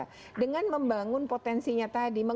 karena dia akan membangun potensinya tadi